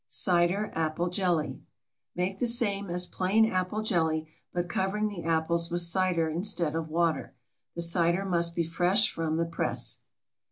CIDER APPLE JELLY. Make the same as plain apple jelly, but covering the apples with cider instead of water. The cider must be fresh from the press.